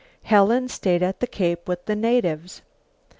Helen stayed at the Cape with the natives.